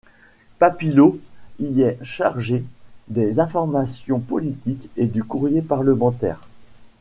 Papillaud y est chargé des informations politiques et du courrier parlementaire.